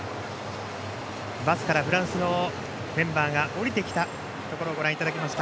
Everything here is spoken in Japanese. バスからフランスのメンバーが降りてきたところをご覧いただきました。